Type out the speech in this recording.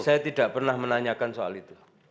saya tidak pernah menanyakan soal itu